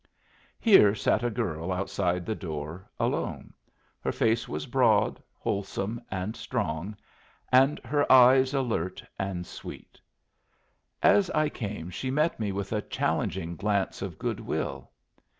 Here sat a girl outside the door, alone. Her face was broad, wholesome, and strong, and her eyes alert and sweet. As I came she met me with a challenging glance of good will.